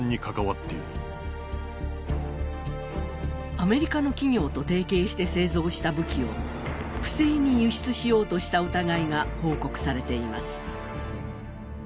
アメリカの企業と提携して製造した武器を不正に輸出しようとした疑いが報告されています。